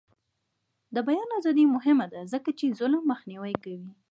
د بیان ازادي مهمه ده ځکه چې ظلم مخنیوی کوي.